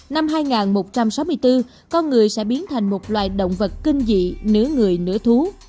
năm hai nghìn một trăm sáu mươi bốn con người sẽ biến thành một loài động vật kinh dị nứa người nữ thú